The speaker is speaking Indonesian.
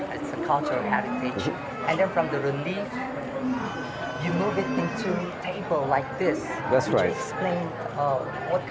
ini adalah kultur dan dari relief anda memulai menjadi meja seperti ini